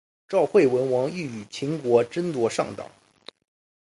赵惠文王欲与秦国争夺上党。